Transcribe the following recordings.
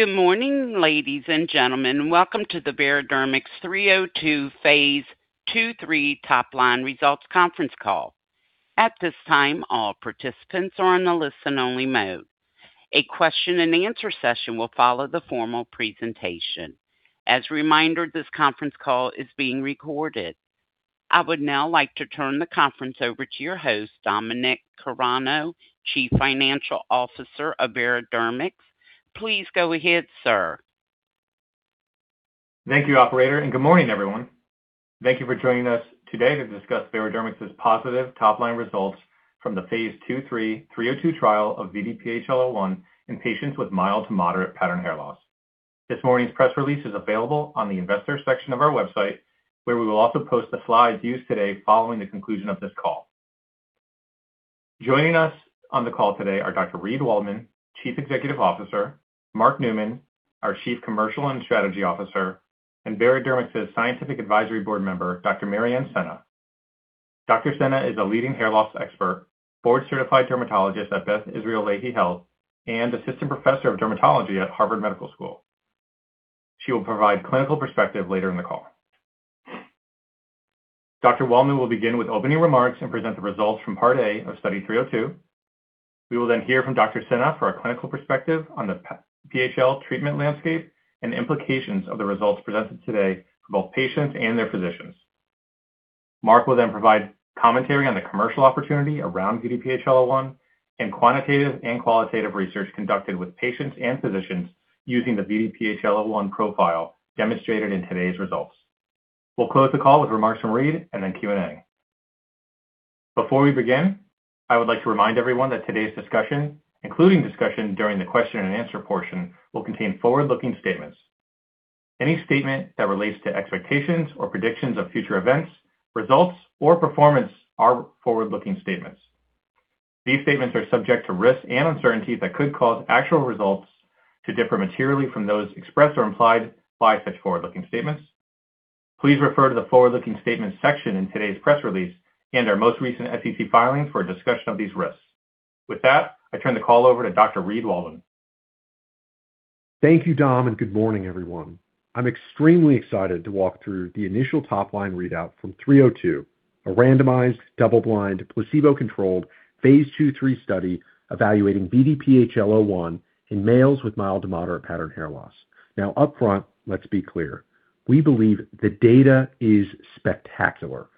Good morning, ladies and gentlemen. Welcome to the Veradermics 302 phase II/III top line results conference call. At this time, all participants are on a listen-only mode. A question and answer session will follow the formal presentation. As a reminder, this conference call is being recorded. I would now like to turn the conference over to your host, Dominic Carrano, Chief Financial Officer of Veradermics. Please go ahead, sir. Thank you, operator, and good morning, everyone. Thank you for joining us today to discuss Veradermics' positive top line results from the phase II/III 302 trial of VDPHL01 in patients with mild to moderate pattern hair loss. This morning's press release is available on the investor section of our website, where we will also post the slides used today following the conclusion of this call. Joining us on the call today are Dr. Reid Waldman, Chief Executive Officer, Mark Neumann, our Chief Commercial and Strategy Officer, and Veradermics' Scientific Advisory Board member, Dr. Maryanne Senna. Dr. Senna is a leading hair loss expert, board-certified dermatologist at Beth Israel Lahey Health, and Assistant Professor of Dermatology at Harvard Medical School. She will provide clinical perspective later in the call. Dr. Waldman will begin with opening remarks and present the results from part A of study 302. We will then hear from Dr. Senna for a clinical perspective on the PHL treatment landscape and implications of the results presented today for both patients and their physicians. Mark will then provide commentary on the commercial opportunity around VDPHL01 and quantitative and qualitative research conducted with patients and physicians using the VDPHL01 profile demonstrated in today's results. We'll close the call with remarks from Reid and then Q&A. Before we begin, I would like to remind everyone that today's discussion, including discussion during the question and answer portion, will contain forward-looking statements. Any statement that relates to expectations or predictions of future events, results or performance are forward-looking statements. These statements are subject to risks and uncertainties that could cause actual results to differ materially from those expressed or implied by such forward-looking statements. Please refer to the forward-looking statements section in today's press release and our most recent SEC filings for a discussion of these risks. With that, I turn the call over to Dr. Reid Waldman. Thank you, Dom, and good morning, everyone. I'm extremely excited to walk through the initial top-line readout from 302, a randomized, double-blind, placebo-controlled phase II/III study evaluating VDPHL01 in males with mild to moderate pattern hair loss. Now up front, let's be clear. We believe the data is spectacular.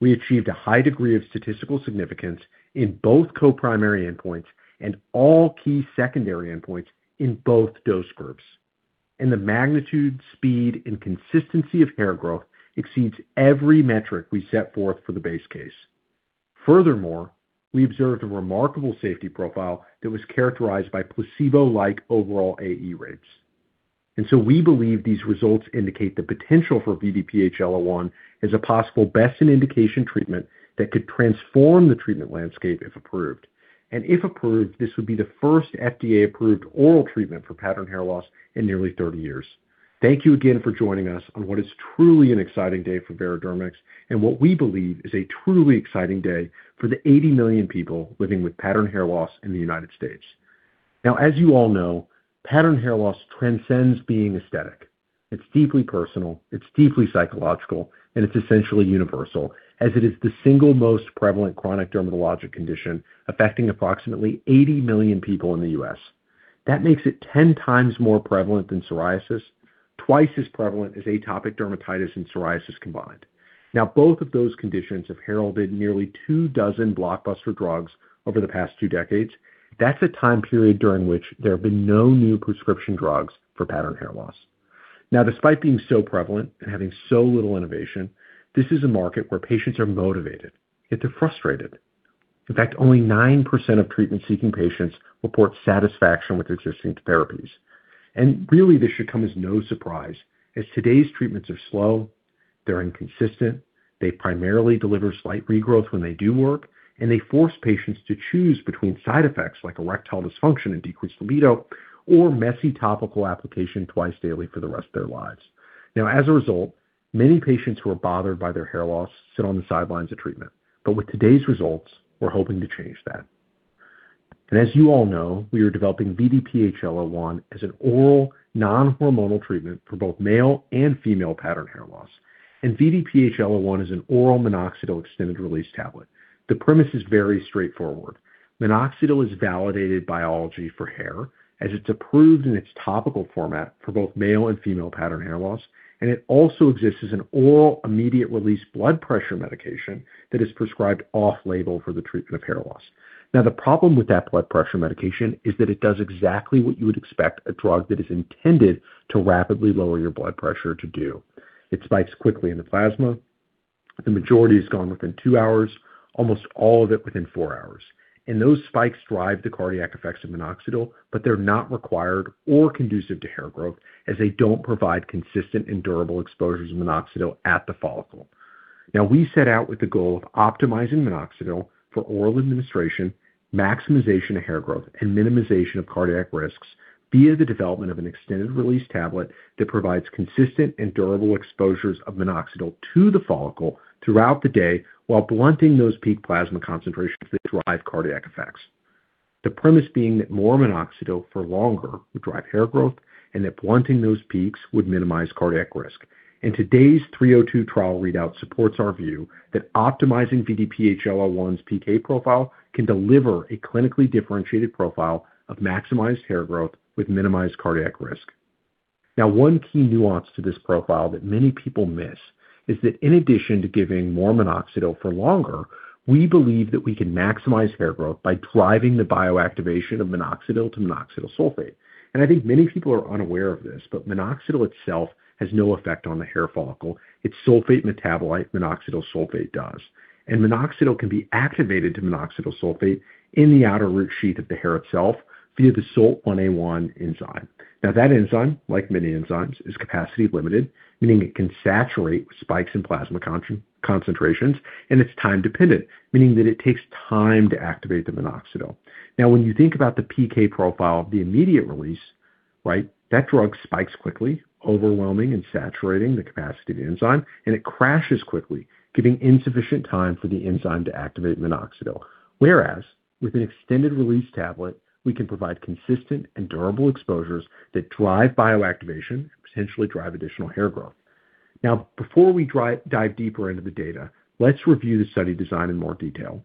We achieved a high degree of statistical significance in both co-primary endpoints and all key secondary endpoints in both dose groups. The magnitude, speed, and consistency of hair growth exceeds every metric we set forth for the base case. Furthermore, we observed a remarkable safety profile that was characterized by placebo-like overall AE rates. We believe these results indicate the potential for VDPHL01 as a possible best in indication treatment that could transform the treatment landscape if approved. If approved, this would be the first FDA-approved oral treatment for pattern hair loss in nearly 30 years. Thank you again for joining us on what is truly an exciting day for Veradermics, and what we believe is a truly exciting day for the 80 million people living with pattern hair loss in the United States. Now, as you all know, pattern hair loss transcends being aesthetic. It's deeply personal, it's deeply psychological, and it's essentially universal, as it is the single most prevalent chronic dermatologic condition, affecting approximately 80 million people in the U.S. That makes it 10x more prevalent than psoriasis, twice as prevalent as atopic dermatitis and psoriasis combined. Now, both of those conditions have heralded nearly two dozen blockbuster drugs over the past two decades. That's a time period during which there have been no new prescription drugs for pattern hair loss. Now, despite being so prevalent and having so little innovation, this is a market where patients are motivated, yet they're frustrated. In fact, only 9% of treatment-seeking patients report satisfaction with existing therapies. Really, this should come as no surprise, as today's treatments are slow, they're inconsistent, they primarily deliver slight regrowth when they do work, and they force patients to choose between side effects like erectile dysfunction and decreased libido or messy topical application twice daily for the rest of their lives. Now as a result, many patients who are bothered by their hair loss sit on the sidelines of treatment. With today's results, we're hoping to change that. As you all know, we are developing VDPHL01 as an oral non-hormonal treatment for both male and female pattern hair loss. VDPHL01 is an oral minoxidil extended-release tablet. The premise is very straightforward. Minoxidil is validated biology for hair, as it's approved in its topical format for both male and female pattern hair loss, and it also exists as an oral immediate-release blood pressure medication that is prescribed off-label for the treatment of hair loss. Now, the problem with that blood pressure medication is that it does exactly what you would expect a drug that is intended to rapidly lower your blood pressure to do. It spikes quickly in the plasma. The majority is gone within two hours, almost all of it within four hours. Those spikes drive the cardiac effects of minoxidil, but they're not required or conducive to hair growth, as they don't provide consistent and durable exposures of minoxidil at the follicle. Now we set out with the goal of optimizing minoxidil for oral administration, maximization of hair growth, and minimization of cardiac risks via the development of an extended-release tablet that provides consistent and durable exposures of minoxidil to the follicle throughout the day while blunting those peak plasma concentrations that drive cardiac effects. The premise being that more minoxidil for longer would drive hair growth, and that blunting those peaks would minimize cardiac risk. Today's 302 trial readout supports our view that optimizing VDPHL01's PK profile can deliver a clinically differentiated profile of maximized hair growth with minimized cardiac risk. Now, one key nuance to this profile that many people miss is that in addition to giving more minoxidil for longer, we believe that we can maximize hair growth by driving the bioactivation of minoxidil to minoxidil sulfate. I think many people are unaware of this, but minoxidil itself has no effect on the hair follicle. Its sulfate metabolite, minoxidil sulfate, does. Minoxidil can be activated to minoxidil sulfate in the outer root sheath of the hair itself via the SULT1A1 enzyme. Now that enzyme, like many enzymes, is capacity limited, meaning it can saturate spikes in plasma concentrations, and it's time dependent, meaning that it takes time to activate the minoxidil. Now, when you think about the PK profile of the immediate release, right, that drug spikes quickly, overwhelming and saturating the capacity of the enzyme, and it crashes quickly, giving insufficient time for the enzyme to activate minoxidil. Whereas with an extended release tablet, we can provide consistent and durable exposures that drive bioactivation, potentially drive additional hair growth. Now, before we dive deeper into the data, let's review the study design in more detail.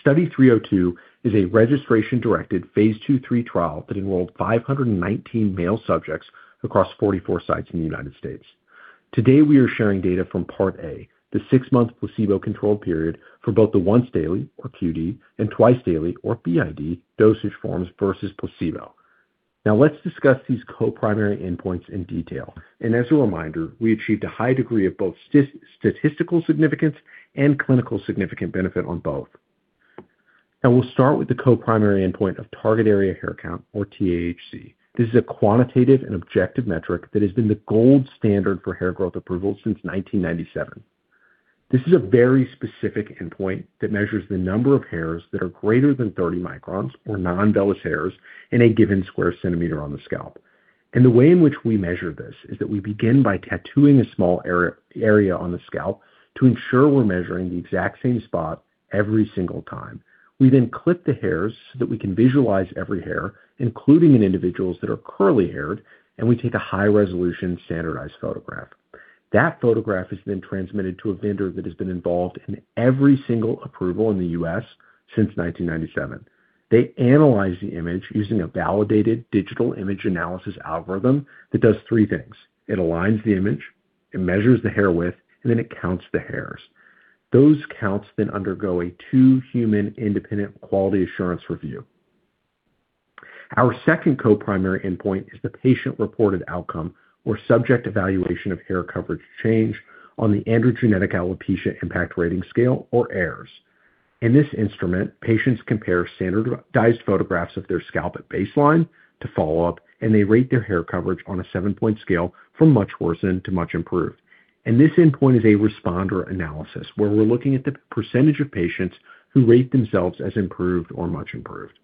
Study 302 is a registration-directed phase II/III trial that enrolled 519 male subjects across 44 sites in the United States. Today, we are sharing data from part A, the six-month placebo-controlled period for both the once daily, or QD, and twice daily, or BID, dosage forms versus placebo. Now let's discuss these co-primary endpoints in detail. As a reminder, we achieved a high degree of both statistical significance and clinically significant benefit on both. Now we'll start with the co-primary endpoint of target area hair count, or TAHC. This is a quantitative and objective metric that has been the gold standard for hair growth approval since 1997. This is a very specific endpoint that measures the number of hairs that are greater than 30 microns, or non-vellus hairs, in a given square centimeter on the scalp. The way in which we measure this is that we begin by tattooing a small area on the scalp to ensure we're measuring the exact same spot every single time. We then clip the hairs so that we can visualize every hair, including in individuals that are curly haired, and we take a high-resolution standardized photograph. That photograph is then transmitted to a vendor that has been involved in every single approval in the U.S. since 1997. They analyze the image using a validated digital image analysis algorithm that does three things. It aligns the image, it measures the hair width, and then it counts the hairs. Those counts then undergo a two human independent quality assurance review. Our second co-primary endpoint is the patient-reported outcome, or subject evaluation of hair coverage change, on the Androgenetic Alopecia Impact Rating Scale, or AAIRS. In this instrument, patients compare standardized photographs of their scalp at baseline to follow-up, and they rate their hair coverage on a seven-point scale from much worsened to much improved. This endpoint is a responder analysis, where we're looking at the percentage of patients who rate themselves as improved or much improved.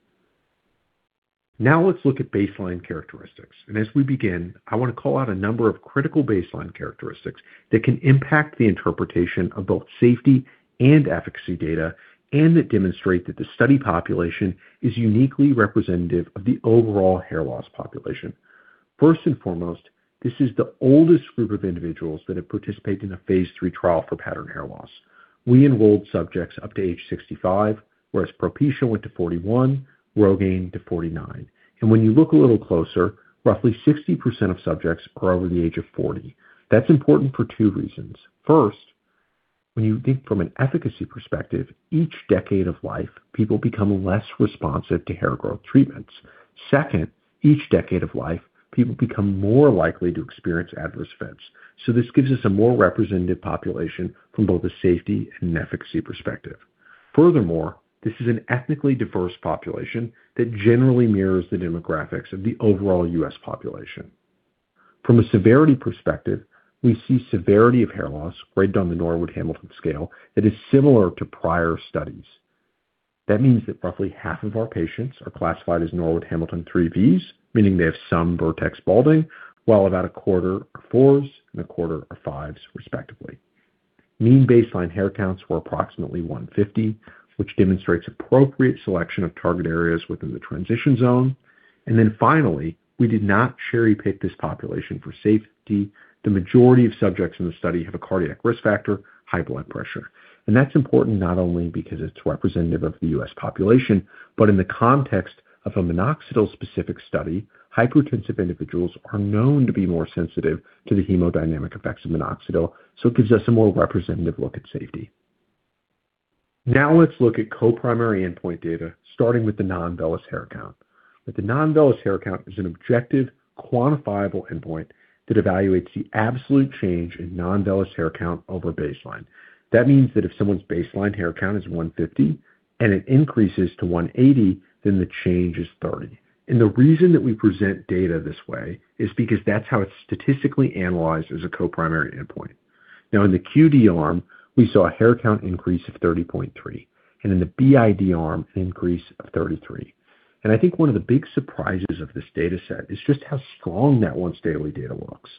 Now let's look at baseline characteristics. As we begin, I want to call out a number of critical baseline characteristics that can impact the interpretation of both safety and efficacy data and that demonstrate that the study population is uniquely representative of the overall hair loss population. First and foremost, this is the oldest group of individuals that have participated in a phase III trial for pattern hair loss. We enrolled subjects up to age 65, whereas Propecia went to 41, Rogaine to 49. When you look a little closer, roughly 60% of subjects are over the age of 40. That's important for two reasons. First, when you think from an efficacy perspective, each decade of life, people become less responsive to hair growth treatments. Second, each decade of life, people become more likely to experience adverse events. This gives us a more representative population from both a safety and efficacy perspective. Furthermore, this is an ethnically diverse population that generally mirrors the demographics of the overall U.S. population. From a severity perspective, we see severity of hair loss right down the Norwood-Hamilton scale that is similar to prior studies. That means that roughly half of our patients are classified as Norwood-Hamilton 3Vs, meaning they have some vertex balding, while about a quarter are fours and a quarter are fives, respectively. Mean baseline hair counts were approximately 150, which demonstrates appropriate selection of target areas within the transition zone. Finally, we did not cherry-pick this population for safety. The majority of subjects in the study have a cardiac risk factor, high blood pressure. That's important not only because it's representative of the U.S. population, but in the context of a minoxidil-specific study, hypertensive individuals are known to be more sensitive to the hemodynamic effects of minoxidil, so it gives us a more representative look at safety. Now let's look at co-primary endpoint data, starting with the non-vellus hair count. The non-vellus hair count is an objective, quantifiable endpoint that evaluates the absolute change in non-vellus hair count over baseline. That means that if someone's baseline hair count is 150 and it increases to 180, then the change is 30. The reason that we present data this way is because that's how it's statistically analyzed as a co-primary endpoint. Now, in the QD arm, we saw a hair count increase of 30.3, and in the BID arm, an increase of 33. I think one of the big surprises of this data set is just how strong that once-daily data looks.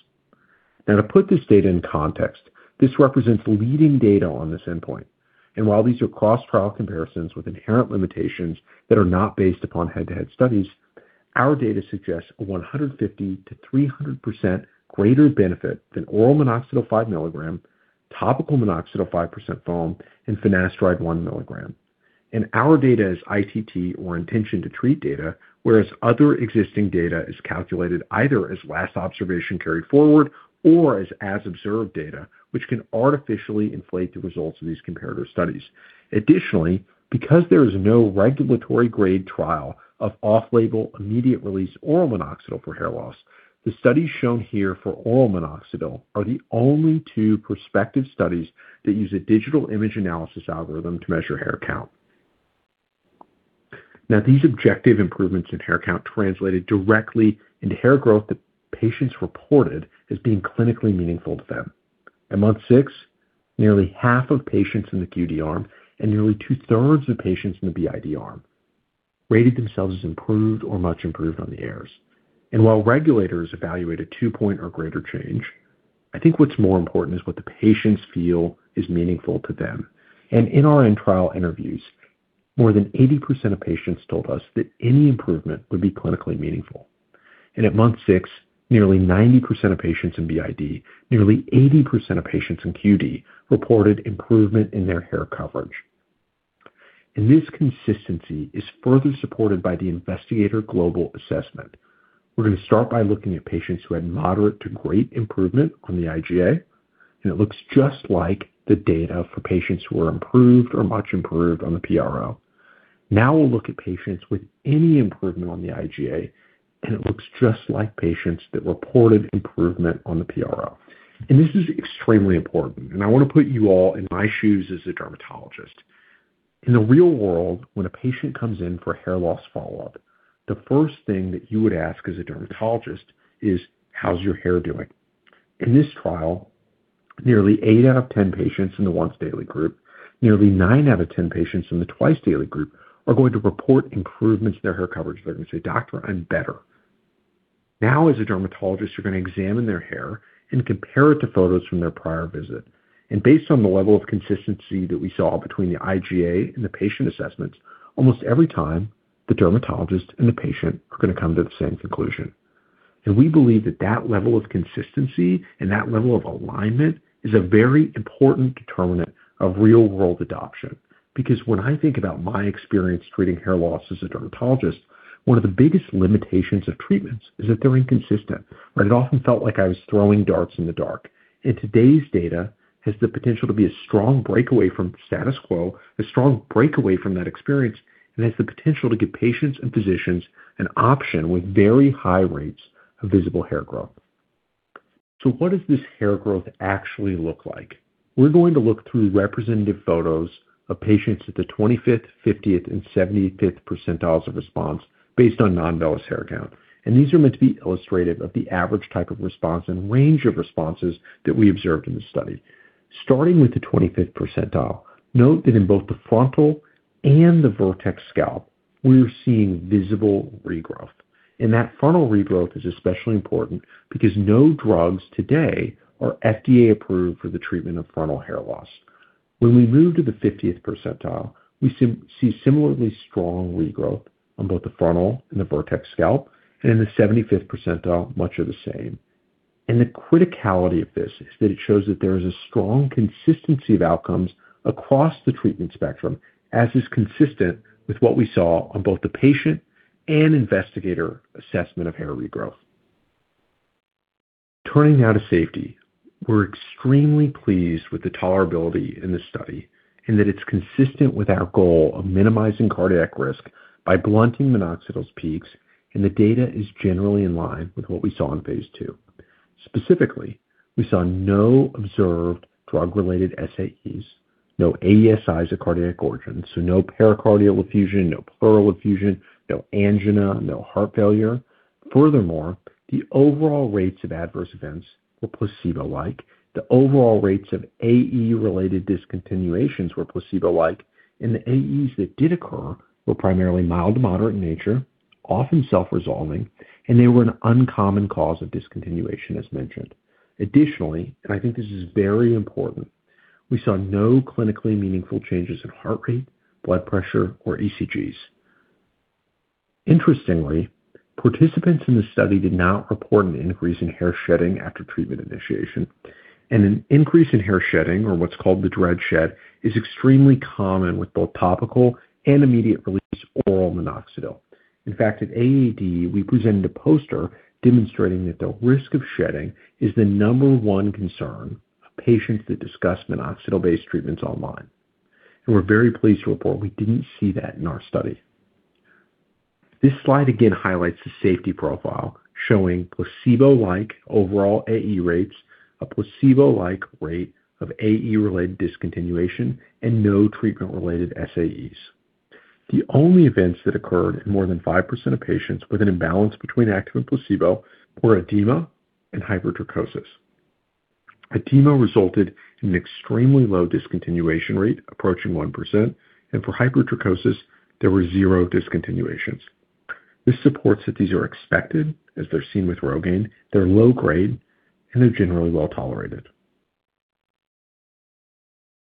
Now to put this data in context, this represents leading data on this endpoint. While these are cross-trial comparisons with inherent limitations that are not based upon head-to-head studies, our data suggests a 150%-300% greater benefit than oral minoxidil 5 mg, topical minoxidil 5% foam, and finasteride 1 mg. Our data is ITT or intention to treat data, whereas other existing data is calculated either as last observation carried forward or as-observed data, which can artificially inflate the results of these comparative studies. Additionally, because there is no regulatory grade trial of off-label immediate-release oral minoxidil for hair loss, the studies shown here for oral minoxidil are the only two prospective studies that use a digital image analysis algorithm to measure hair count. Now, these objective improvements in hair count translated directly into hair growth that patients reported as being clinically meaningful to them. At month six, nearly half of patients in the QD arm and nearly 2/3 of patients in the BID arm rated themselves as improved or much improved on the AAIRS. While regulators evaluate a two point or greater change, I think what's more important is what the patients feel is meaningful to them. In our end-of-trial interviews, more than 80% of patients told us that any improvement would be clinically meaningful. At month six, nearly 90% of patients in BID, nearly 80% of patients in QD reported improvement in their hair coverage. This consistency is further supported by the Investigator Global Assessment. We're gonna start by looking at patients who had moderate to great improvement on the IGA, and it looks just like the data for patients who are improved or much improved on the PRO. Now we'll look at patients with any improvement on the IGA, and it looks just like patients that reported improvement on the PRO. This is extremely important, and I wanna put you all in my shoes as a dermatologist. In the real world, when a patient comes in for hair loss follow-up, the first thing that you would ask as a dermatologist is, "How's your hair doing?" In this trial, nearly 8/10 patients in the once daily group, nearly 9/10 patients in the twice daily group, are going to report improvements to their hair coverage. They're gonna say, "Doctor, I'm better." Now, as a dermatologist, you're gonna examine their hair and compare it to photos from their prior visit. Based on the level of consistency that we saw between the IGA and the patient assessments, almost every time the dermatologist and the patient are gonna come to the same conclusion. We believe that that level of consistency and that level of alignment is a very important determinant of real-world adoption. Because when I think about my experience treating hair loss as a dermatologist, one of the biggest limitations of treatments is that they're inconsistent, right? It often felt like I was throwing darts in the dark. Today's data has the potential to be a strong breakaway from status quo, a strong breakaway from that experience, and has the potential to give patients and physicians an option with very high rates of visible hair growth. What does this hair growth actually look like? We're going to look through representative photos of patients at the 25th, 50th, and 75th percentiles of response based on non-vellus hair count. These are meant to be illustrative of the average type of response and range of responses that we observed in the study. Starting with the 25th percentile, note that in both the frontal and the vertex scalp, we're seeing visible regrowth. That frontal regrowth is especially important because no drugs today are FDA approved for the treatment of frontal hair loss. When we move to the 50th percentile, we see similarly strong regrowth on both the frontal and the vertex scalp, and in the 75th percentile, much of the same. The criticality of this is that it shows that there is a strong consistency of outcomes across the treatment spectrum, as is consistent with what we saw on both the patient and investigator assessment of hair regrowth. Turning now to safety. We're extremely pleased with the tolerability in this study, and that it's consistent with our goal of minimizing cardiac risk by blunting minoxidil's peaks, and the data is generally in line with what we saw in phase II. Specifically, we saw no observed drug-related SAEs, no AESIs of cardiac origin, so no pericardial effusion, no pleural effusion, no angina, no heart failure. Furthermore, the overall rates of adverse events were placebo-like. The overall rates of AE-related discontinuations were placebo-like, and the AEs that did occur were primarily mild to moderate in nature, often self-resolving, and they were an uncommon cause of discontinuation, as mentioned. Additionally, and I think this is very important, we saw no clinically meaningful changes in heart rate, blood pressure, or ECGs. Interestingly, participants in the study did not report an increase in hair shedding after treatment initiation, and an increase in hair shedding, or what's called the dread shed, is extremely common with both topical and immediate-release oral minoxidil. In fact, at AAD, we presented a poster demonstrating that the risk of shedding is the number one concern of patients that discuss minoxidil-based treatments online. We're very pleased to report we didn't see that in our study. This slide again highlights the safety profile, showing placebo-like overall AE rates, a placebo-like rate of AE-related discontinuation, and no treatment-related SAEs. The only events that occurred in more than 5% of patients with an imbalance between active and placebo were edema and hypertrichosis. Edema resulted in an extremely low discontinuation rate, approaching 1%, and for hypertrichosis, there were zero discontinuations. This supports that these are expected, as they're seen with Rogaine, they're low grade, and they're generally well-tolerated.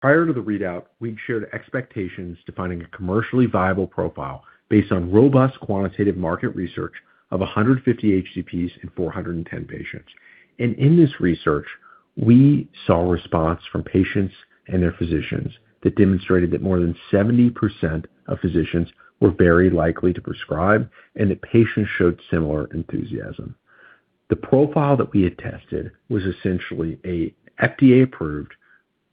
Prior to the readout, we'd shared expectations to finding a commercially viable profile based on robust quantitative market research of 150 HCPs and 410 patients. In this research, we saw a response from patients and their physicians that demonstrated that more than 70% of physicians were very likely to prescribe, and that patients showed similar enthusiasm. The profile that we had tested was essentially an FDA-approved,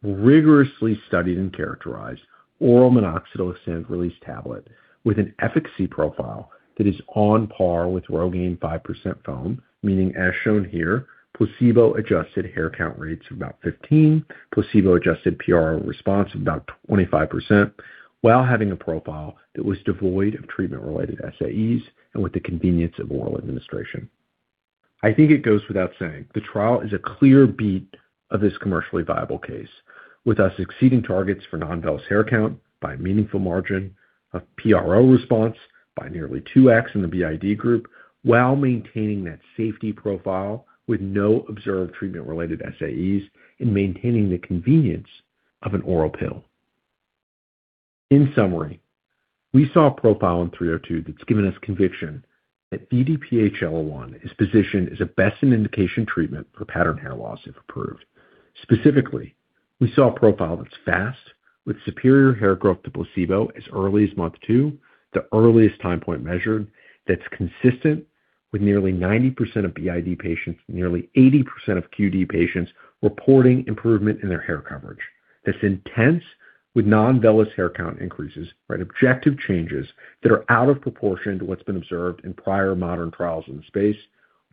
rigorously studied, and characterized oral minoxidil extended-release tablet with an efficacy profile that is on par with Rogaine 5% foam, meaning, as shown here, placebo-adjusted hair count rates of about 15, placebo-adjusted PRO response of about 25%, while having a profile that was devoid of treatment-related SAEs and with the convenience of oral administration. I think it goes without saying, the trial is a clear beat of this commercially viable case, with us exceeding targets for non-vellus hair count by a meaningful margin of PRO response by nearly 2x in the BID group, while maintaining that safety profile with no observed treatment-related SAEs and maintaining the convenience of an oral pill. In summary, we saw a profile that's given us conviction that VDPHL01 is positioned as a best-in-indication treatment for pattern hair loss, if approved. Specifically, we saw a profile that's fast, with superior hair growth to placebo as early as month two, the earliest time point measured, that's consistent with nearly 90% of BID patients, nearly 80% of QD patients, reporting improvement in their hair coverage. That's intense with non-vellus hair count increases, right, objective changes that are out of proportion to what's been observed in prior modern trials in the space,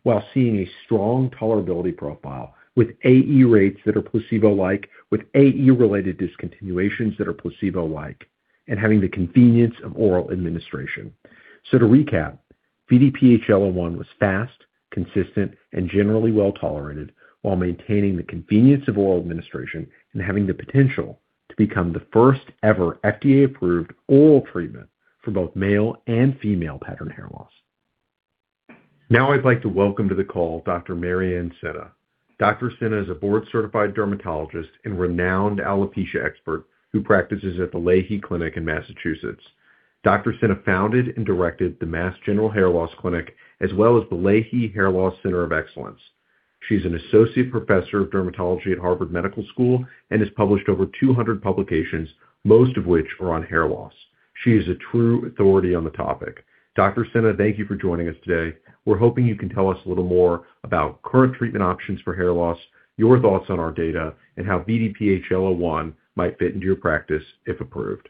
while seeing a strong tolerability profile with AE rates that are placebo-like, with AE-related discontinuations that are placebo-like, and having the convenience of oral administration. To recap, VDPHL01 was fast, consistent, and generally well-tolerated, while maintaining the convenience of oral administration and having the potential to become the first ever FDA-approved oral treatment for both male and female pattern hair loss. Now I'd like to welcome to the call Dr. Maryanne Senna. Dr. Senna is a board-certified dermatologist and renowned alopecia expert who practices at the Lahey Clinic in Massachusetts. Dr. Senna founded and directed the Mass General Hair Loss Clinic, as well as the Lahey Hair Loss Center of Excellence. She's an associate professor of dermatology at Harvard Medical School and has published over 200 publications, most of which are on hair loss. She is a true authority on the topic. Dr. Senna, thank you for joining us today. We're hoping you can tell us a little more about current treatment options for hair loss, your thoughts on our data, and how VDPHL01 might fit into your practice, if approved.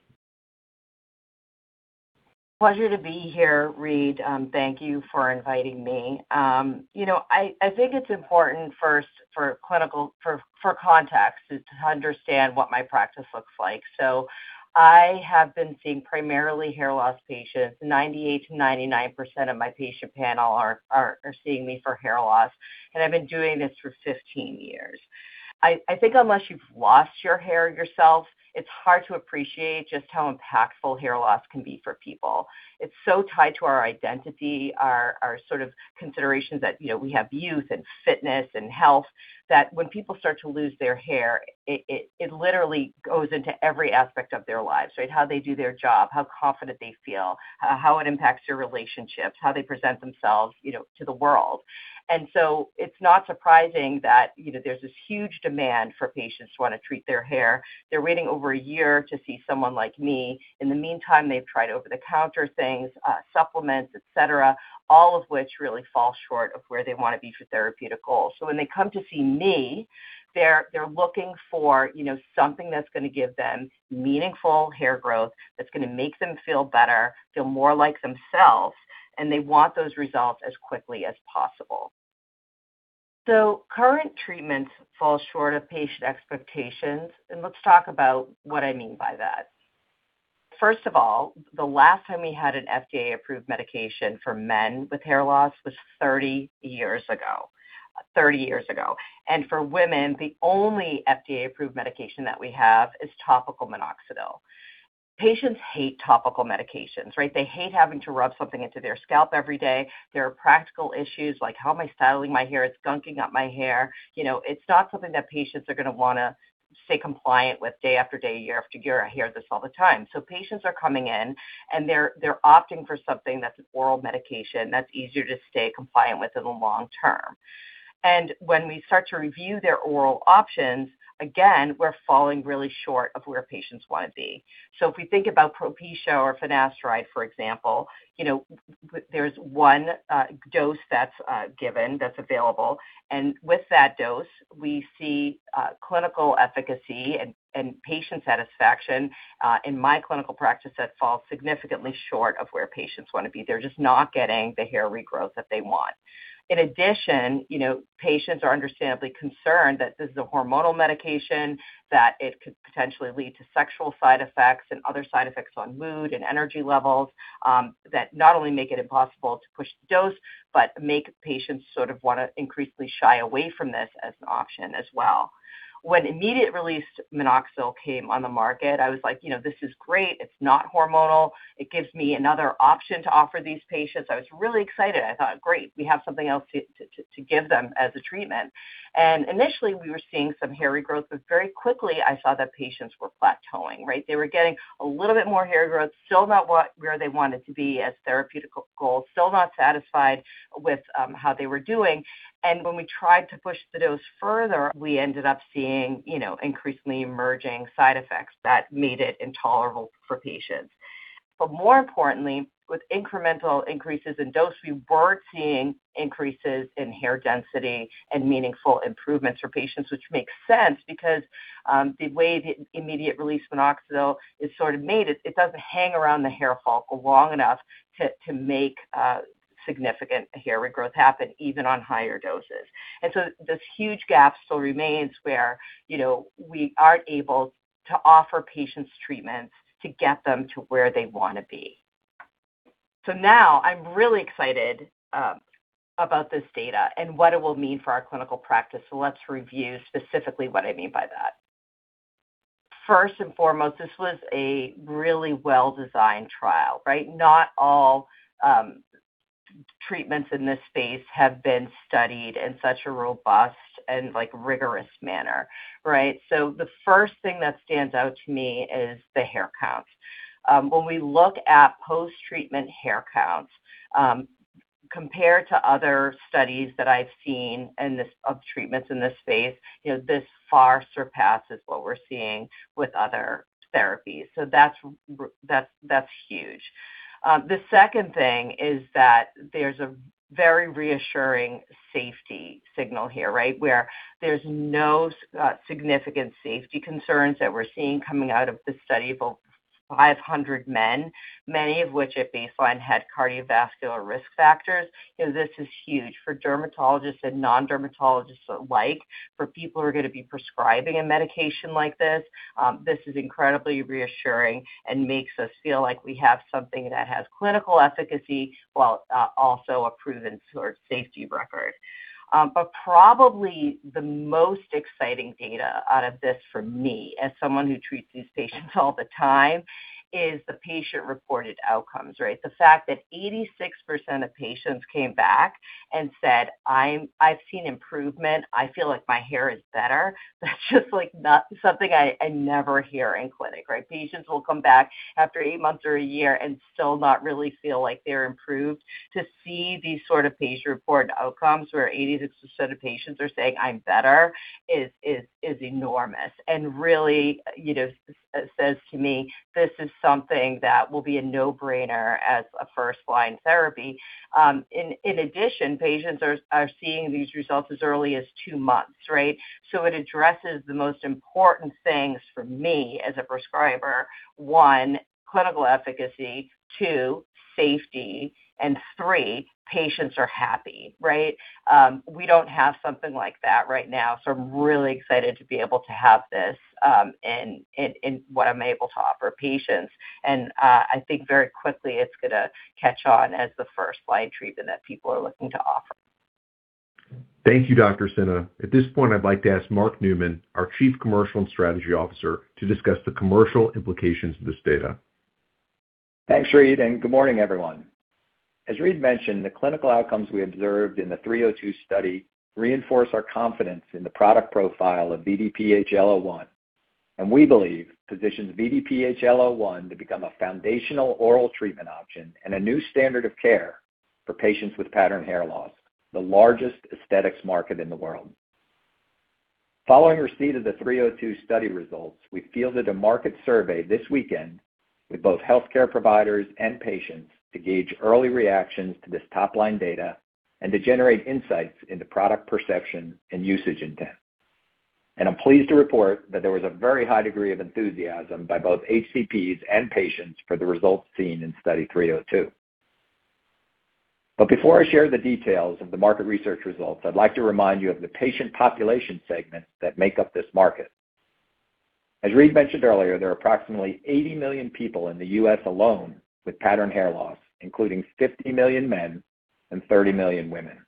Pleasure to be here, Reid. Thank you for inviting me. You know, I think it's important first for context to understand what my practice looks like. I have been seeing primarily hair loss patients. 98%-99% of my patient panel are seeing me for hair loss, and I've been doing this for 15 years. I think unless you've lost your hair yourself, it's hard to appreciate just how impactful hair loss can be for people. It's so tied to our identity, our sort of considerations that, you know, we have youth and fitness and health, that when people start to lose their hair, it literally goes into every aspect of their lives, right? How they do their job, how confident they feel, how it impacts your relationships, how they present themselves, you know, to the world. It's not surprising that, you know, there's this huge demand for patients who wanna treat their hair. They're waiting over a year to see someone like me. In the meantime, they've tried over-the-counter things, supplements, et cetera, all of which really fall short of where they wanna be for therapeutic goals. When they come to see me, they're looking for, you know, something that's gonna give them meaningful hair growth, that's gonna make them feel better, feel more like themselves, and they want those results as quickly as possible. Current treatments fall short of patient expectations, and let's talk about what I mean by that. First of all, the last time we had an FDA-approved medication for men with hair loss was 30 years ago. For women, the only FDA-approved medication that we have is topical minoxidil. Patients hate topical medications, right? They hate having to rub something into their scalp every day. There are practical issues like, "How am I styling my hair? It's gunking up my hair." You know, it's not something that patients are gonna wanna stay compliant with day after day, year after year. I hear this all the time. Patients are coming in, and they're opting for something that's an oral medication that's easier to stay compliant with in the long term. When we start to review their oral options, again, we're falling really short of where patients wanna be. If we think about Propecia or finasteride, for example, you know, there's one dose that's given, that's available, and with that dose, we see clinical efficacy and patient satisfaction in my clinical practice that falls significantly short of where patients wanna be. They're just not getting the hair regrowth that they want. In addition, you know, patients are understandably concerned that this is a hormonal medication, that it could potentially lead to sexual side effects and other side effects on mood and energy levels, that not only make it impossible to push the dose, but make patients sort of wanna increasingly shy away from this as an option as well. When immediate-release minoxidil came on the market, I was like, "You know, this is great. It's not hormonal. It gives me another option to offer these patients." I was really excited. I thought, "Great, we have something else to give them as a treatment." Initially, we were seeing some hair regrowth, but very quickly I saw that patients were plateauing, right? They were getting a little bit more hair growth, still not where they wanted to be as therapeutic goals, still not satisfied with how they were doing. When we tried to push the dose further, we ended up seeing, you know, increasingly emerging side effects that made it intolerable for patients. More importantly, with incremental increases in dose, we weren't seeing increases in hair density and meaningful improvements for patients, which makes sense because the way the immediate-release minoxidil is sort of made, it doesn't hang around the hair follicle long enough to make significant hair regrowth happen even on higher doses. This huge gap still remains where, you know, we aren't able to offer patients treatments to get them to where they wanna be. Now I'm really excited about this data and what it will mean for our clinical practice. Let's review specifically what I mean by that. First and foremost, this was a really well-designed trial, right? Not all treatments in this space have been studied in such a robust and, like, rigorous manner, right? The first thing that stands out to me is the hair count. When we look at post-treatment hair counts compared to other studies that I've seen of treatments in this space, you know, this far surpasses what we're seeing with other therapies. That's huge. The second thing is that there's a very reassuring safety signal here, right? Where there's no significant safety concerns that we're seeing coming out of the study of over 500 men, many of which at baseline had cardiovascular risk factors. You know, this is huge. For dermatologists and non-dermatologists alike, for people who are gonna be prescribing a medication like this is incredibly reassuring and makes us feel like we have something that has clinical efficacy while also a proven sort of safety record. But probably the most exciting data out of this for me, as someone who treats these patients all the time, is the patient-reported outcomes, right? The fact that 86% of patients came back and said, "I've seen improvement. I feel like my hair is better," that's just like something I never hear in clinic, right? Patients will come back after eight months or a year and still not really feel like they're improved. To see these sort of patient-reported outcomes where 86% of patients are saying, "I'm better," is enormous and really, you know, says to me, this is something that will be a no-brainer as a first-line therapy. In addition, patients are seeing these results as early as two months, right? So it addresses the most important things for me as a prescriber. One, clinical efficacy. Two, safety. And three, patients are happy, right? We don't have something like that right now, so I'm really excited to be able to have this in what I'm able to offer patients. I think very quickly it's gonna catch on as the first-line treatment that people are looking to offer. Thank you, Dr. Senna. At this point, I'd like to ask Mark Neumann, our Chief Commercial and Strategy Officer, to discuss the commercial implications of this data. Thanks, Reid, and good morning, everyone. As Reid mentioned, the clinical outcomes we observed in the 302 study reinforce our confidence in the product profile of VDPHL01, and we believe positions VDPHL01 to become a foundational oral treatment option and a new standard of care for patients with pattern hair loss, the largest aesthetics market in the world. Following receipt of the 302 study results, we fielded a market survey this weekend with both healthcare providers and patients to gauge early reactions to this top-line data and to generate insights into product perception and usage intent. I'm pleased to report that there was a very high degree of enthusiasm by both HCPs and patients for the results seen in study 302. Before I share the details of the market research results, I'd like to remind you of the patient population segments that make up this market. As Reid mentioned earlier, there are approximately 80 million people in the U.S. alone with pattern hair loss, including 50 million men and 30 million women.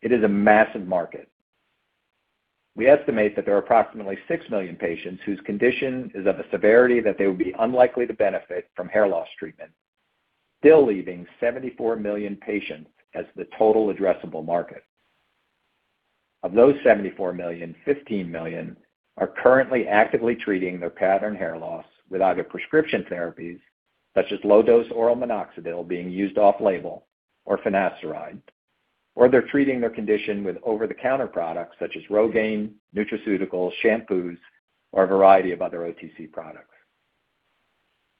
It is a massive market. We estimate that there are approximately 6 million patients whose condition is of a severity that they would be unlikely to benefit from hair loss treatment, still leaving 74 million patients as the total addressable market. Of those 74 million, 15 million are currently actively treating their pattern hair loss with either prescription therapies, such as low-dose oral minoxidil being used off-label or finasteride, or they're treating their condition with over-the-counter products such as Rogaine, nutraceuticals, shampoos, or a variety of other OTC products.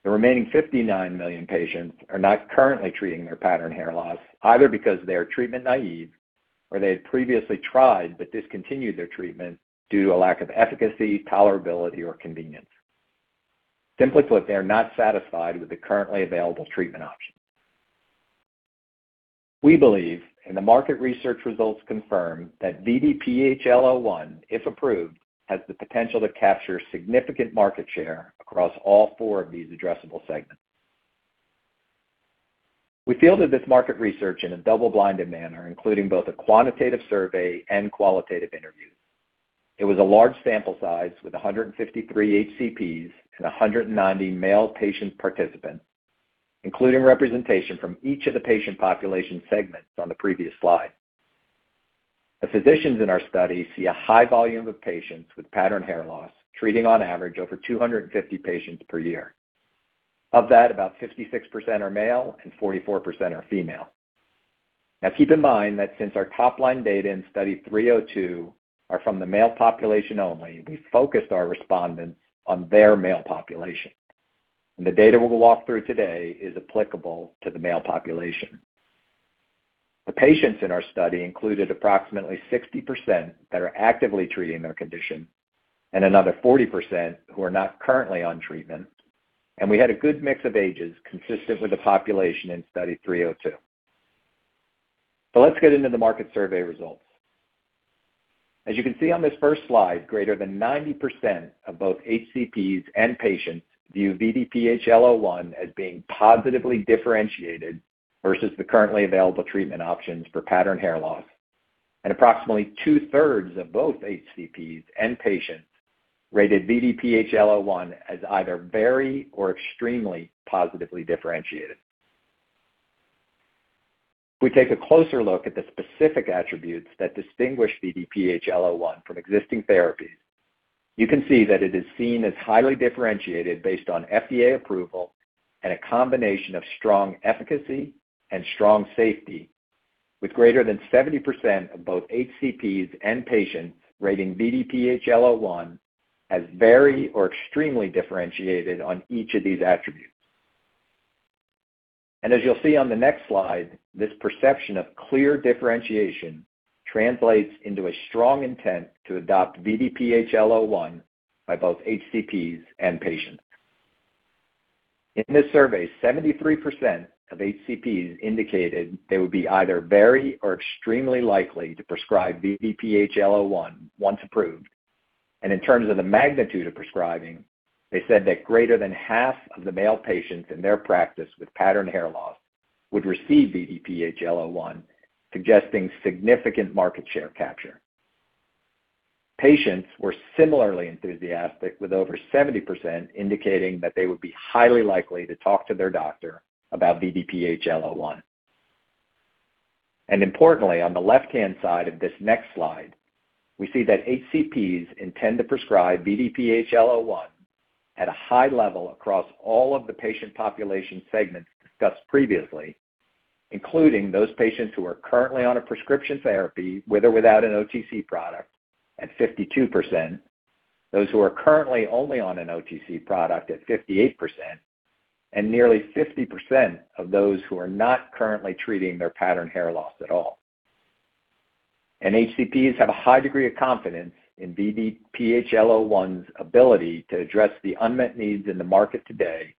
The remaining 59 million patients are not currently treating their pattern hair loss either because they are treatment naive or they had previously tried but discontinued their treatment due to a lack of efficacy, tolerability, or convenience. Simply put, they are not satisfied with the currently available treatment options. We believe, and the market research results confirm, that VDPHL01, if approved, has the potential to capture significant market share across all four of these addressable segments. We fielded this market research in a double-blinded manner, including both a quantitative survey and qualitative interviews. It was a large sample size with 153 HCPs and 190 male patient participants, including representation from each of the patient population segments on the previous slide. The physicians in our study see a high volume of patients with pattern hair loss, treating on average over 250 patients per year. Of that, about 56% are male and 44% are female. Now keep in mind that since our top-line data in study 302 are from the male population only, we focused our respondents on their male population. The data we will walk through today is applicable to the male population. The patients in our study included approximately 60% that are actively treating their condition and another 40% who are not currently on treatment. We had a good mix of ages consistent with the population in study 302. Let's get into the market survey results. As you can see on this first slide, greater than 90% of both HCPs and patients view VDPHL01 as being positively differentiated versus the currently available treatment options for pattern hair loss. Approximately 2/3 of both HCPs and patients rated VDPHL01 as either very or extremely positively differentiated. If we take a closer look at the specific attributes that distinguish VDPHL01 from existing therapies, you can see that it is seen as highly differentiated based on FDA approval and a combination of strong efficacy and strong safety, with greater than 70% of both HCPs and patients rating VDPHL01 as very or extremely differentiated on each of these attributes. As you'll see on the next slide, this perception of clear differentiation translates into a strong intent to adopt VDPHL01 by both HCPs and patients. In this survey, 73% of HCPs indicated they would be either very or extremely likely to prescribe VDPHL01 once approved. In terms of the magnitude of prescribing, they said that greater than half of the male patients in their practice with pattern hair loss would receive VDPHL01, suggesting significant market share capture. Patients were similarly enthusiastic, with over 70% indicating that they would be highly likely to talk to their doctor about VDPHL01. Importantly, on the left-hand side of this next slide, we see that HCPs intend to prescribe VDPHL01 at a high level across all of the patient population segments discussed previously, including those patients who are currently on a prescription therapy, with or without an OTC product, at 52%, those who are currently only on an OTC product at 58%, and nearly 50% of those who are not currently treating their pattern hair loss at all. HCPs have a high degree of confidence in VDPHL01's ability to address the unmet needs in the market today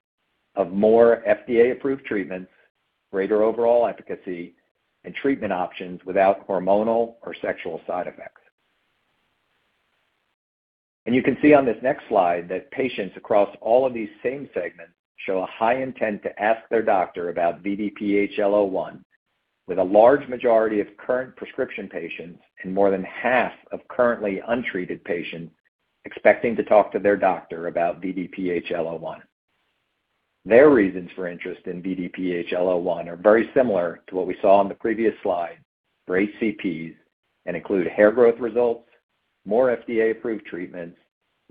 of more FDA-approved treatments, greater overall efficacy, and treatment options without hormonal or sexual side effects. You can see on this next slide that patients across all of these same segments show a high intent to ask their doctor about VDPHL01, with a large majority of current prescription patients and more than half of currently untreated patients expecting to talk to their doctor about VDPHL01. Their reasons for interest in VDPHL01 are very similar to what we saw on the previous slide for HCPs and include hair growth results, more FDA-approved treatments,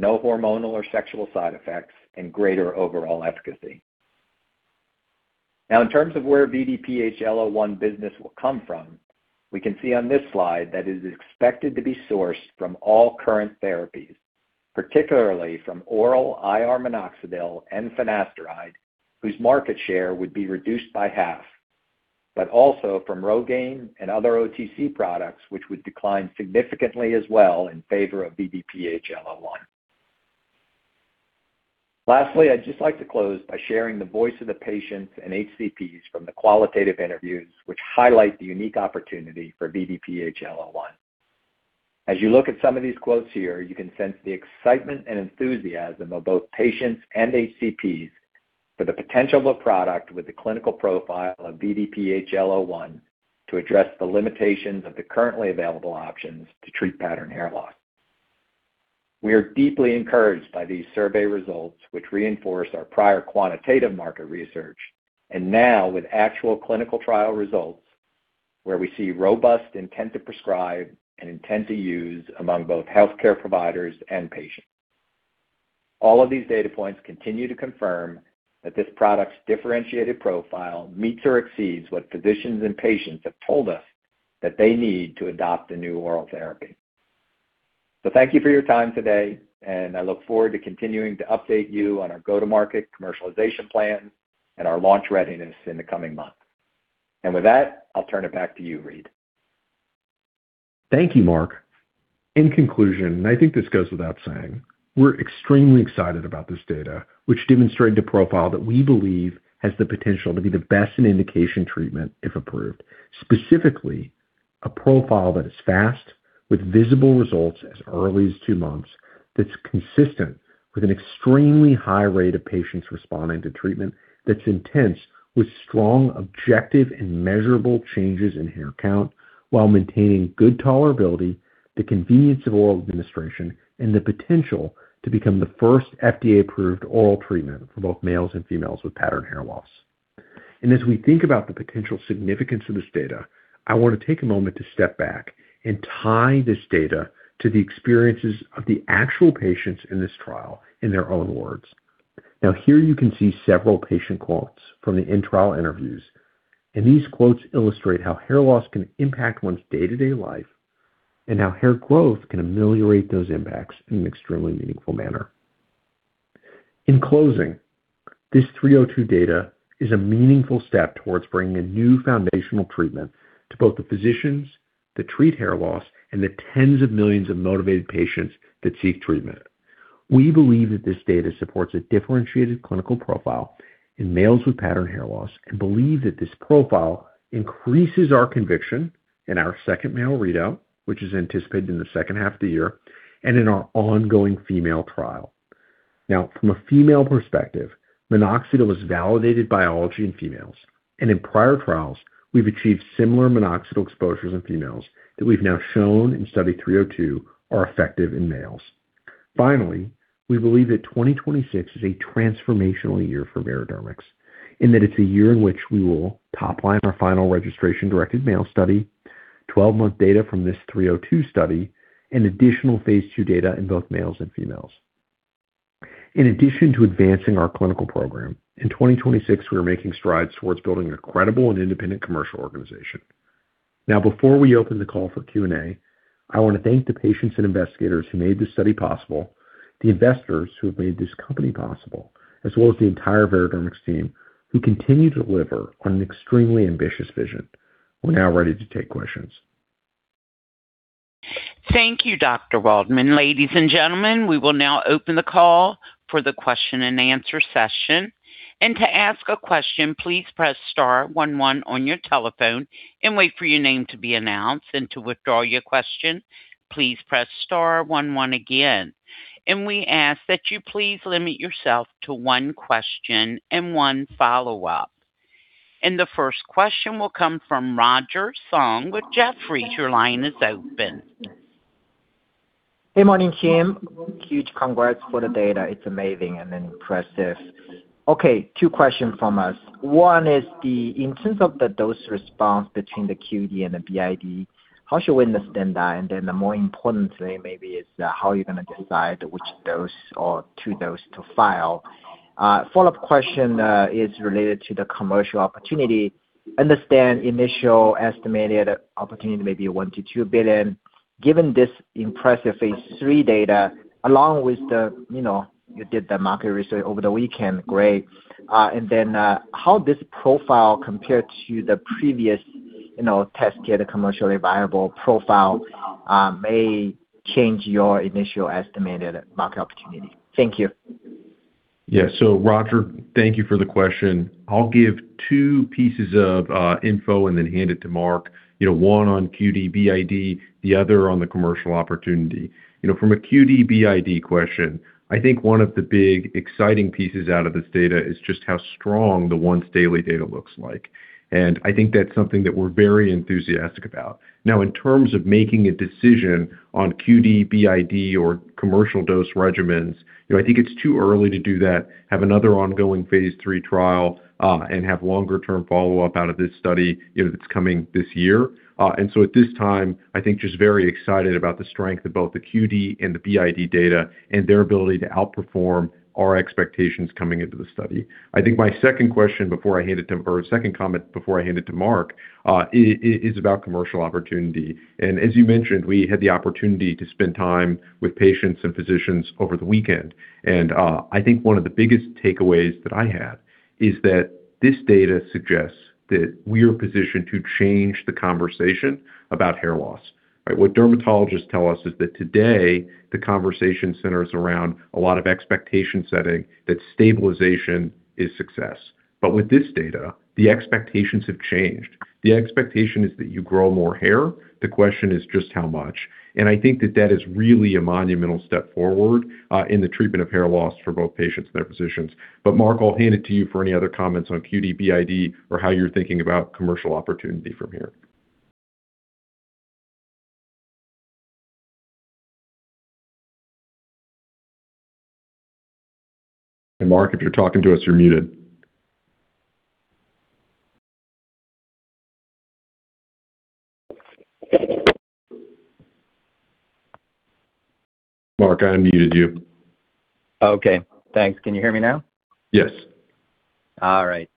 no hormonal or sexual side effects, and greater overall efficacy. Now in terms of where VDPHL01 business will come from, we can see on this slide that it is expected to be sourced from all current therapies, particularly from oral IR minoxidil and finasteride, whose market share would be reduced by half, but also from Rogaine and other OTC products, which would decline significantly as well in favor of VDPHL01. Lastly, I'd just like to close by sharing the voice of the patients and HCPs from the qualitative interviews, which highlight the unique opportunity for VDPHL01. As you look at some of these quotes here, you can sense the excitement and enthusiasm of both patients and HCPs for the potential of a product with the clinical profile of VDPHL01 to address the limitations of the currently available options to treat pattern hair loss. We are deeply encouraged by these survey results, which reinforce our prior quantitative market research, and now with actual clinical trial results, where we see robust intent to prescribe and intent to use among both healthcare providers and patients. All of these data points continue to confirm that this product's differentiated profile meets or exceeds what physicians and patients have told us that they need to adopt a new oral therapy. Thank you for your time today, and I look forward to continuing to update you on our go-to-market commercialization plan and our launch readiness in the coming months. With that, I'll turn it back to you, Reid. Thank you, Mark. In conclusion, I think this goes without saying, we're extremely excited about this data, which demonstrated a profile that we believe has the potential to be the best in indication treatment if approved. Specifically, a profile that is fast, with visible results as early as two months, that's consistent with an extremely high rate of patients responding to treatment, that's intense, with strong, objective, and measurable changes in hair count, while maintaining good tolerability, the convenience of oral administration, and the potential to become the first FDA-approved oral treatment for both males and females with pattern hair loss. As we think about the potential significance of this data, I want to take a moment to step back and tie this data to the experiences of the actual patients in this trial in their own words. Now here you can see several patient quotes from the in-trial interviews. These quotes illustrate how hair loss can impact one's day-to-day life and how hair growth can ameliorate those impacts in an extremely meaningful manner. In closing, this 302 data is a meaningful step towards bringing a new foundational treatment to both the physicians that treat hair loss and the tens of millions of motivated patients that seek treatment. We believe that this data supports a differentiated clinical profile in males with pattern hair loss, and believe that this profile increases our conviction in our second male readout, which is anticipated in the second half of the year, and in our ongoing female trial. Now, from a female perspective, minoxidil is validated biology in females. In prior trials, we've achieved similar minoxidil exposures in females that we've now shown in study 302 are effective in males. Finally, we believe that 2026 is a transformational year for Veradermics, in that it's a year in which we will top line our final registration-directed male study, 12-month data from this 302 study, and additional phase II data in both males and females. In addition to advancing our clinical program, in 2026, we are making strides towards building a credible and independent commercial organization. Now, before we open the call for Q&A, I wanna thank the patients and investigators who made this study possible, the investors who have made this company possible, as well as the entire Veradermics team, who continue to deliver on an extremely ambitious vision. We're now ready to take questions. Thank you, Dr. Waldman. Ladies and gentlemen, we will now open the call for the question-and-answer session. To ask a question, please press star one one on your telephone and wait for your name to be announced. To withdraw your question, please press star one one again. We ask that you please limit yourself to one question and one follow-up. The first question will come from Roger Song with Jefferies. Your line is open. Hey, morning, team. Huge congrats for the data. It's amazing and impressive. Okay, two questions from us. One is in terms of the dose response between the QD and the BID, how should we understand that? Then the more importantly maybe is how are you gonna decide which dose or two dose to file? Follow-up question is related to the commercial opportunity. We understand initial estimated opportunity may be $1 billion-$2 billion. Given this impressive phase III data along with the, you know, you did the market research over the weekend. Great. How this profile compared to the previous, you know, best-in-class commercially viable profile may change your initial estimated market opportunity. Thank you. Yeah. Roger, thank you for the question. I'll give two pieces of info and then hand it to Mark. You know, one on QD, BID, the other on the commercial opportunity. You know, from a QD, BID question, I think one of the big exciting pieces out of this data is just how strong the once daily data looks like. I think that's something that we're very enthusiastic about. Now, in terms of making a decision on QD, BID or commercial dose regimens, you know, I think it's too early to do that, have another ongoing phase III trial, and have longer term follow-up out of this study, you know, that's coming this year. At this time, I think just very excited about the strength of both the QD and the BID data and their ability to outperform our expectations coming into the study. I think my second comment before I hand it to Mark is about commercial opportunity. As you mentioned, we had the opportunity to spend time with patients and physicians over the weekend. I think one of the biggest takeaways that I had is that this data suggests that we are positioned to change the conversation about hair loss, right? What dermatologists tell us is that today, the conversation centers around a lot of expectation setting that stabilization is success. But with this data, the expectations have changed. The expectation is that you grow more hair. The question is just how much. I think that that is really a monumental step forward in the treatment of hair loss for both patients and their physicians. Mark, I'll hand it to you for any other comments on QD, BID or how you're thinking about commercial opportunity from here. Mark, if you're talking to us, you're muted. Mark, I unmuted you. Okay, thanks. Can you hear me now? Yes. All right.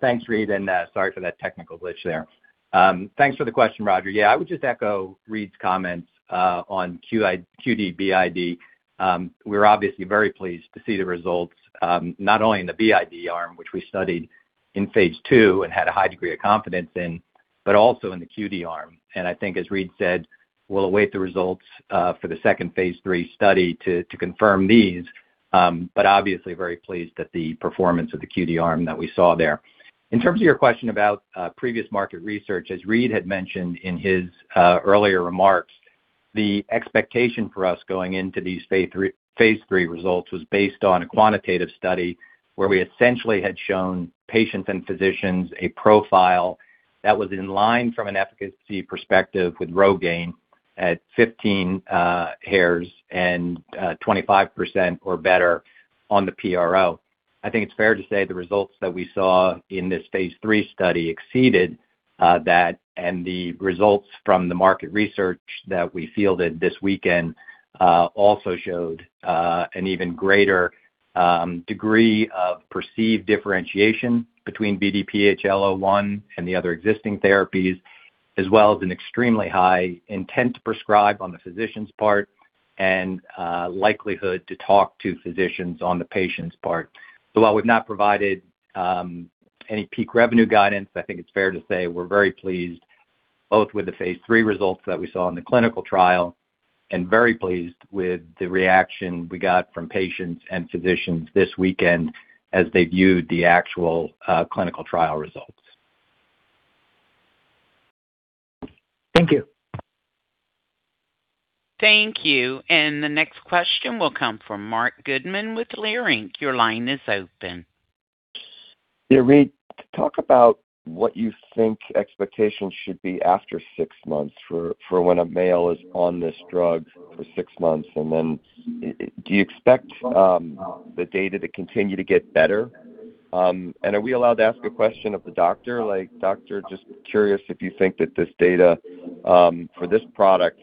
Thanks, Reid, and sorry for that technical glitch there. Thanks for the question, Roger. Yeah, I would just echo Reid's comments on QD, BID. We're obviously very pleased to see the results, not only in the BID arm, which we studied in phase II and had a high degree of confidence in, but also in the QD arm. I think as Reid said, we'll await the results for the second phase III study to confirm these. Obviously very pleased that the performance of the QD arm that we saw there. In terms of your question about previous market research, as Reid had mentioned in his earlier remarks, the expectation for us going into these phase III results was based on a quantitative study where we essentially had shown patients and physicians a profile that was in line from an efficacy perspective with Rogaine at 15 hairs and 25% or better on the PRO. I think it's fair to say the results that we saw in this phase III study exceeded That and the results from the market research that we fielded this weekend also showed an even greater degree of perceived differentiation between VDPHL01 and the other existing therapies, as well as an extremely high intent to prescribe on the physician's part and likelihood to talk to physicians on the patient's part. While we've not provided any peak revenue guidance, I think it's fair to say we're very pleased both with the phase III results that we saw in the clinical trial and very pleased with the reaction we got from patients and physicians this weekend as they viewed the actual clinical trial results. Thank you. Thank you. The next question will come from Marc Goodman with Leerink. Your line is open. Yeah, Reid, talk about what you think expectations should be after six months for when a male is on this drug for six months. Do you expect the data to continue to get better? Are we allowed to ask a question of the doctor? Like, Doctor, just curious if you think that this data for this product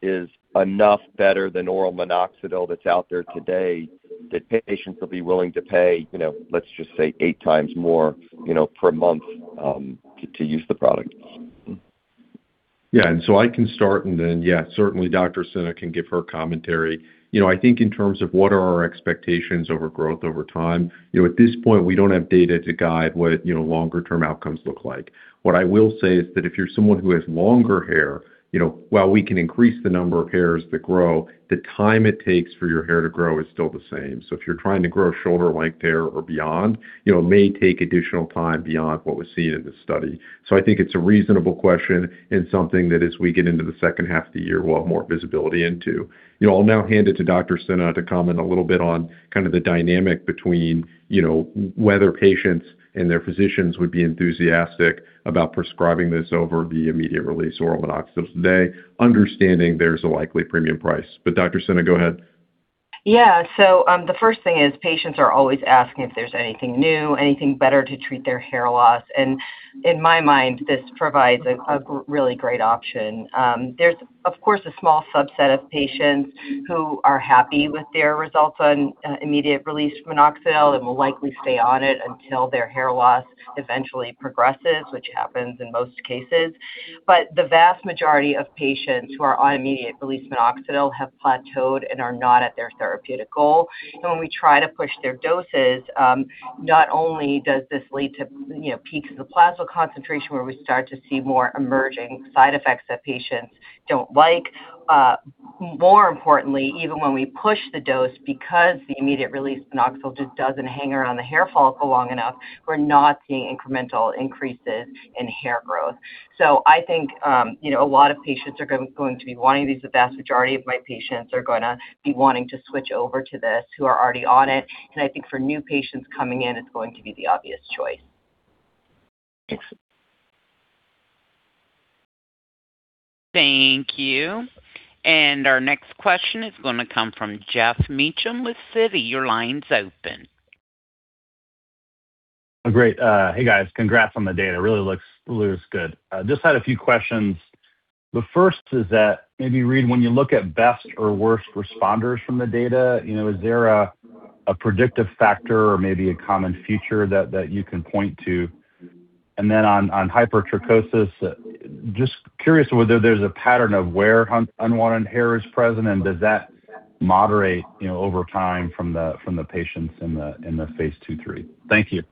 is enough better than oral minoxidil that's out there today, that patients will be willing to pay, you know, let's just say 8x more, you know, per month to use the product. Yeah. I can start and then, yeah, certainly Dr. Senna can give her commentary. You know, I think in terms of what are our expectations over growth over time, you know, at this point, we don't have data to guide what, you know, longer-term outcomes look like. What I will say is that if you're someone who has longer hair, you know, while we can increase the number of hairs that grow, the time it takes for your hair to grow is still the same. If you're trying to grow shoulder-length hair or beyond, you know, it may take additional time beyond what was seen in this study. I think it's a reasonable question and something that as we get into the second half of the year, we'll have more visibility into. You know, I'll now hand it to Dr. Senna to comment a little bit on kind of the dynamic between, you know, whether patients and their physicians would be enthusiastic about prescribing this over the immediate-release oral minoxidil today, understanding there's a likely premium price. Dr. Senna, go ahead. Yeah. The first thing is patients are always asking if there's anything new, anything better to treat their hair loss. In my mind, this provides a really great option. There's, of course, a small subset of patients who are happy with their results on immediate-release minoxidil and will likely stay on it until their hair loss eventually progresses, which happens in most cases. The vast majority of patients who are on immediate-release minoxidil have plateaued and are not at their therapeutic goal. When we try to push their doses, not only does this lead to, you know, peaks of the plasma concentration where we start to see more emerging side effects that patients don't like. More importantly, even when we push the dose because the immediate-release minoxidil just doesn't hang around the hair follicle long enough, we're not seeing incremental increases in hair growth. I think, you know, a lot of patients are going to be wanting this. The vast majority of my patients are gonna be wanting to switch over to this who are already on it. I think for new patients coming in, it's going to be the obvious choice. Thanks. Thank you. Our next question is gonna come from Geoff Meacham with Citi. Your line's open. Oh, great. Hey, guys. Congrats on the data. Really looks good. Just had a few questions. The first is that maybe, Reid, when you look at best or worst responders from the data, you know, is there a predictive factor or maybe a common feature that you can point to? And then on hypertrichosis, just curious whether there's a pattern of where unwanted hair is present, and does that moderate, you know, over time from the patients in the phase II/III? Thank you.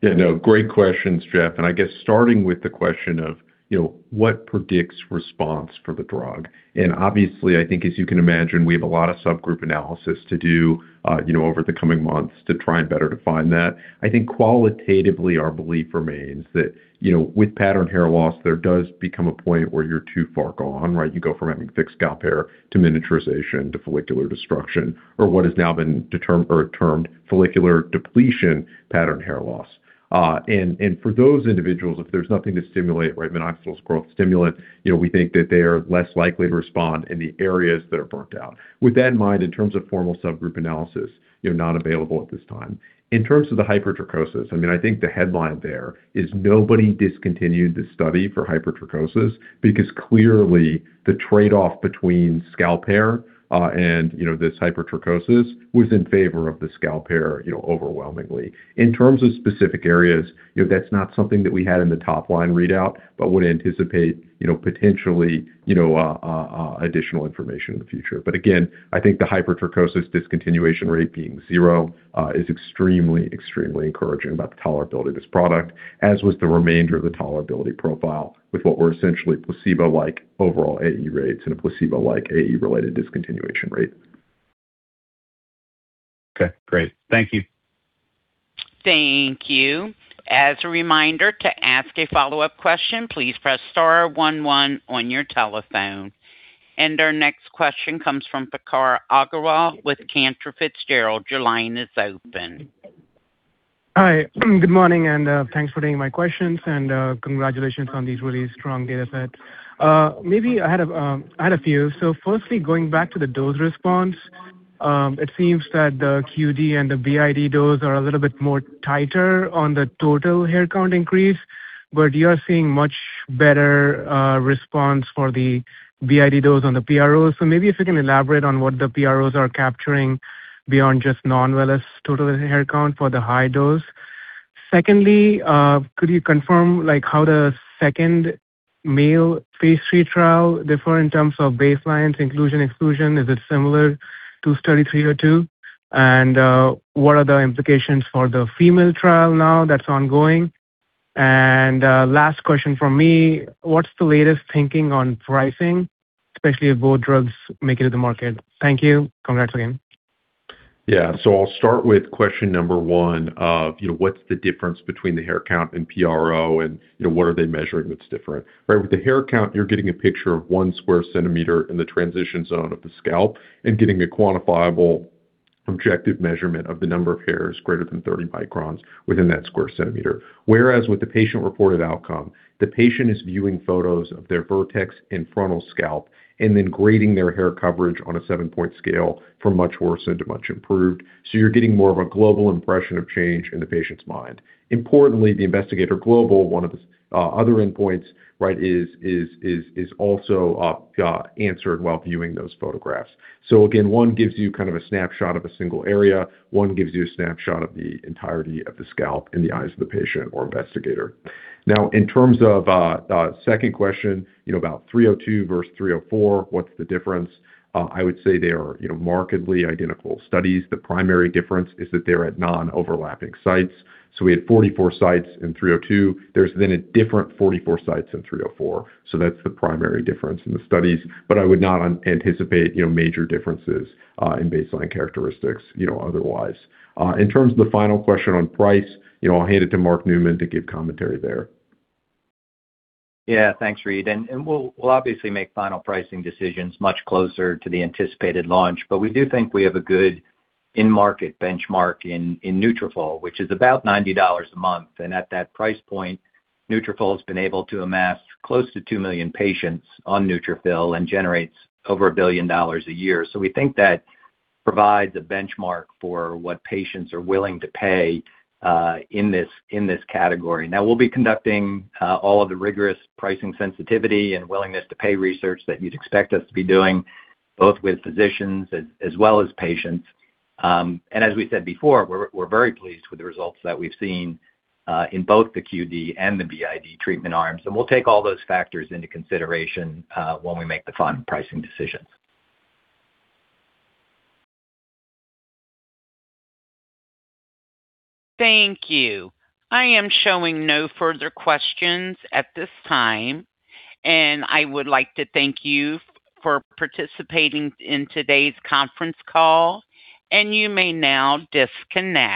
Yeah, no, great questions, Geoff. I guess starting with the question of, you know, what predicts response for the drug. Obviously, I think as you can imagine, we have a lot of subgroup analysis to do, you know, over the coming months to try and better define that. I think qualitatively our belief remains that, you know, with pattern hair loss, there does become a point where you're too far gone, right? You go from having thick scalp hair to miniaturization to follicular destruction, or what has now been determined, or termed follicular depletion pattern hair loss. And for those individuals, if there's nothing to stimulate, right, minoxidil's a growth stimulant, you know, we think that they are less likely to respond in the areas that are burnt out. With that in mind, in terms of formal subgroup analysis, you're not available at this time. In terms of the hypertrichosis, I mean, I think the headline there is nobody discontinued the study for hypertrichosis because clearly the trade-off between scalp hair, and, you know, this hypertrichosis was in favor of the scalp hair, you know, overwhelmingly. In terms of specific areas, you know, that's not something that we had in the top-line readout, but would anticipate, you know, potentially, additional information in the future. Again, I think the hypertrichosis discontinuation rate being zero, is extremely encouraging about the tolerability of this product, as was the remainder of the tolerability profile with what were essentially placebo-like overall AE rates and a placebo-like AE-related discontinuation rate. Okay, great. Thank you. Thank you. As a reminder, to ask a follow-up question, please press star one one on your telephone. Our next question comes from Prakhar Agrawal with Cantor Fitzgerald. Your line is open. Hi. Good morning, and thanks for taking my questions. Congratulations on these really strong data sets. Maybe I had a few. Firstly, going back to the dose response. It seems that the QD and the BID dose are a little bit more tighter on the total hair count increase, but you are seeing much better response for the BID dose on the PRO. Maybe if you can elaborate on what the PROs are capturing beyond just non-vellus as total hair count for the high dose. Secondly, could you confirm, like, how the second male phase III trial differ in terms of baselines, inclusion, exclusion? Is it similar to study 302? What are the implications for the female trial now that's ongoing? Last question from me. What's the latest thinking on pricing, especially if both drugs make it to the market? Thank you. Congrats again. Yeah. So I'll start with question number one of, you know, what's the difference between the hair count and PRO and, you know, what are they measuring that's different. Right. With the hair count, you're getting a picture of 1 cm² in the transition zone of the scalp and getting a quantifiable objective measurement of the number of hairs greater than 30 microns within that square centimeter. Whereas with the patient-reported outcome, the patient is viewing photos of their vertex and frontal scalp and then grading their hair coverage on a seven-point scale from much worse into much improved. So you're getting more of a global impression of change in the patient's mind. Importantly, the investigator global, one of the other endpoints, right, is also, answered while viewing those photographs. So again, one gives you kind of a snapshot of a single area. One gives you a snapshot of the entirety of the scalp in the eyes of the patient or investigator. Now in terms of second question, you know, about 302 versus 304, what's the difference? I would say they are, you know, markedly identical studies. The primary difference is that they're at non-overlapping sites. We had 44 sites in 302. There's then a different 44 sites in 304. That's the primary difference in the studies. I would not anticipate, you know, major differences in baseline characteristics, you know, otherwise. In terms of the final question on price, you know, I'll hand it to Mark Neumann to give commentary there. Yeah. Thanks, Reid. And, and we'll obviously make final pricing decisions much closer to the anticipated launch, but we do think we have a good in-market benchmark in Nutrafol, which is about $90 a month. And at that price point, Nutrafol has been able to amass close to 2 million patients on Nutrafol and generates over $1 billion a year. So we think that provides a benchmark for what patients are willing to pay in this category. Now, we'll be conducting all of the rigorous pricing sensitivity and willingness to pay research that you'd expect us to be doing, both with physicians as well as patients. And as we said before, we're very pleased with the results that we've seen in both the QD and the BID treatment arms. We'll take all those factors into consideration when we make the final pricing decisions. Thank you. I am showing no further questions at this time, and I would like to thank you for participating in today's conference call, and you may now disconnect.